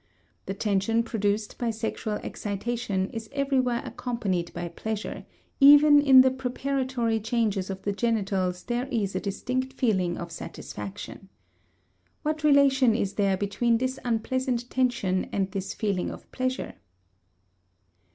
The tension produced by sexual excitation is everywhere accompanied by pleasure; even in the preparatory changes of the genitals there is a distinct feeling of satisfaction. What relation is there between this unpleasant tension and this feeling of pleasure?